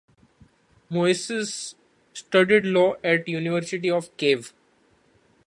Moisei studied law at the University of Kiev.